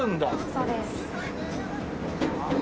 そうです。